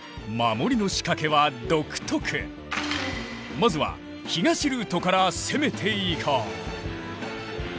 まずは東ルートから攻めていこう！